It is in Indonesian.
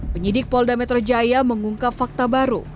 penyidik polda metro jaya mengungkap fakta baru